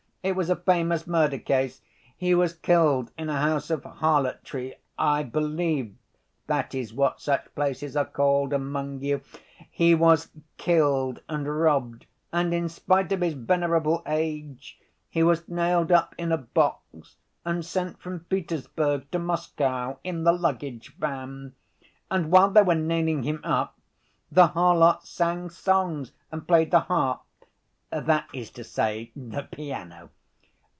It was a famous murder case. He was killed in a house of harlotry—I believe that is what such places are called among you—he was killed and robbed, and in spite of his venerable age, he was nailed up in a box and sent from Petersburg to Moscow in the luggage van, and while they were nailing him up, the harlots sang songs and played the harp, that is to say, the piano.